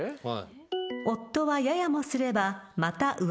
はい。